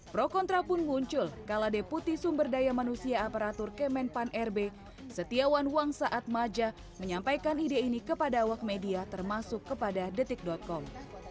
pro kontra pun muncul kala deputi sumber daya manusia aparatur kemenpan rb setiawan wang saat maja menyampaikan ide ini kepada awak media termasuk kepada detik com